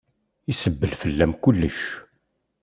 Isebbel fell-am kullec.